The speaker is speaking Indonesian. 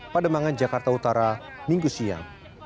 pademangan jakarta utara minggu siang